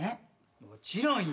もちろんよ。